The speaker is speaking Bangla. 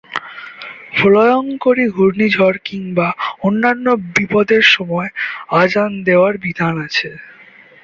প্রলয়ঙ্করী ঘূর্ণিঝড় কিংবা অন্যান্য বিপদের সময় আযান দেওয়ার বিধান আছে।